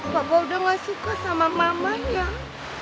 papa udah enggak suka sama mama ya